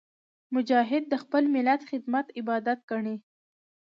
مجاهد د خپل ملت خدمت عبادت ګڼي.